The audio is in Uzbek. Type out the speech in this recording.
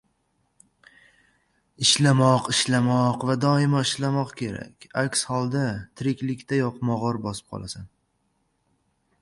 Ishlamoq, ishlamoq va doimo ishlamoq kerak. Aks holda, tiriklikdayoq mog‘or bosib qolasan.